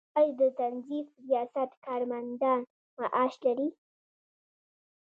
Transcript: آیا د تنظیف ریاست کارمندان معاش لري؟